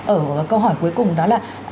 ở câu hỏi cuối cùng đó là